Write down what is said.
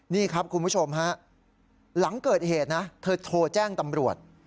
นี่ครับคุณผู้ชมฮะหลังเกิดเหตุนะเธอโทรแจ้งตำรวจ